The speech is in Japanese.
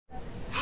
あ！